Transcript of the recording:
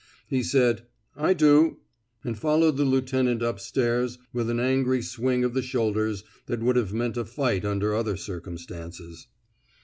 He said, I do," and fol lowed the lieutenant up stairs with an angry swing of the shoulders that would have meant a fight under other circumstances.